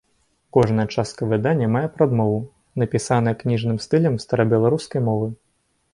Кожная частка выдання мае прадмову, напісаная кніжным стылем старабеларускай мовы.